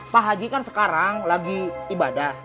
pak haji kan sekarang lagi ibadah